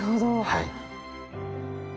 はい。